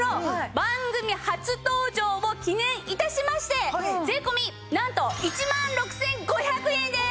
番組初登場を記念致しまして税込なんと１万６５００円です。